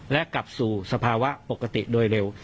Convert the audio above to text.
และกลับสู่สภาวะปกติโดยเร็ว